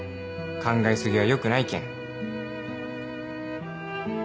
考え過ぎは良くないけん。